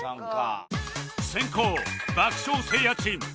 先攻爆笑せいやチーム